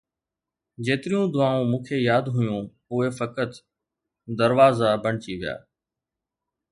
جيتريون دعائون مون کي ياد هيون، اهي فقط دروازا بڻجي ويا